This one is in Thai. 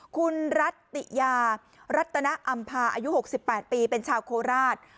คุณรัตติยารัตนอำภาอายุ๖๘ปีเป็นชาวโคราช